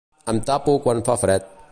Em tapo quan fa fred.